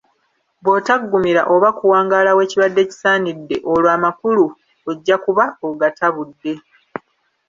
Bw’otaggumira oba kuwangaala we kibadde kisaanidde olwo amakulu ojja kuba ogatabuudde.